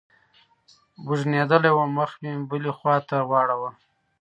بوږنېدلى وم مخ مې بلې خوا ته واړاوه.